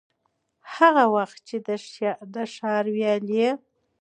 هغه وخت چي د ښار ويالې،